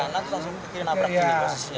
ke kanan langsung ke kiri nabrak ini posisinya ya